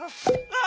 あ！